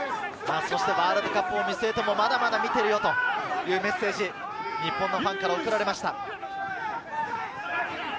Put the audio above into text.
ワールドカップを見据えても、まだまだ見ているよという、メッセージ、日本のファンから送られました。